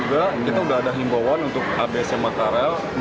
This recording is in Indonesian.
itu udah ada himpawan untuk abs nya makarel